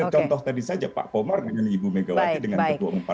ini contoh tadi saja pak komar dengan ibu megawati dengan ketua umpar